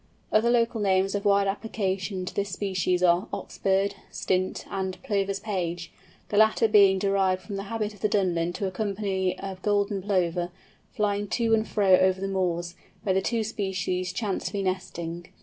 Other local names of wide application to this species are "Ox bird," "Stint," and "Plover's Page," the latter being derived from the habit of the Dunlin to accompany a Golden Plover, flying to and fro over the moors, where the two species chance to be nesting.